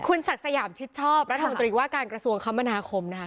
คุณศักดิ์สยามชิดชอบรัฐมนตรีว่าการกระทรวงคมนาคมนะคะ